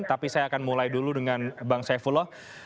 tapi saya akan mulai dulu dengan bang saifullah